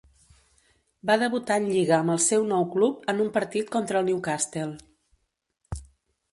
Va debutar en lliga amb el seu nou club en un partit contra el Newcastle.